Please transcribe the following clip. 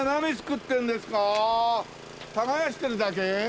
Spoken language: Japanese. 耕してるだけ？